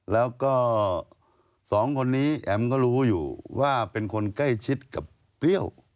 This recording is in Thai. แล้วก็สองคนนี้แอ๋มก็รู้อยู่ว่าเป็นคนใกล้ชิดกับเปรี้ยว